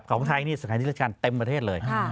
ของไทยนี่สถานที่ราชการเต็มประเทศเลย